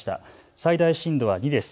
最大震度は２です。